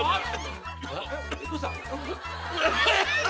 どうした？